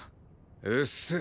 うっせえ。